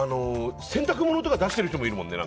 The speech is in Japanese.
洗濯物とか出してる人もいるもんね。